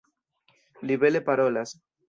Li bele parolas.